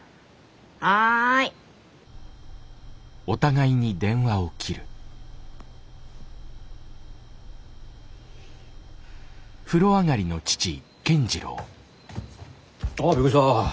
はい。あっびっくりした。